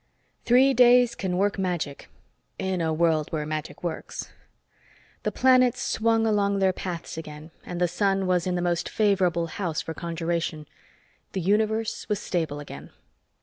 X Three days can work magic in a world where magic works. The planets swung along their paths again and the sun was in the most favorable house for conjuration. The universe was stable again.